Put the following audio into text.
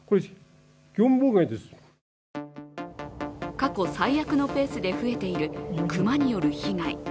過去最悪のペースで増えている熊による被害